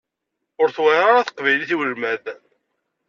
Ur tewεir ara teqbaylit i ulmad.